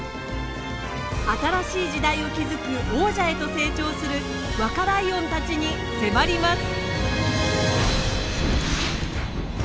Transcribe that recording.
新しい時代を築く王者へと成長する若ライオンたちに迫ります。